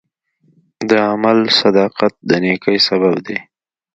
د عمل صداقت د نیکۍ سبب دی.